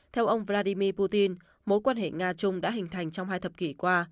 theo ông vladimir putin mối quan hệ nga trung đã hình thành trong hai thập kỷ qua